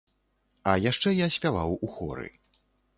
А яшчэ я спяваў у хоры.